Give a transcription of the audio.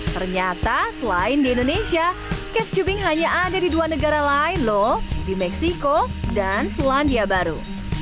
ternyata selain di indonesia catch tubing hanya ada di dua negara lain lho di meksiko dan selandia baru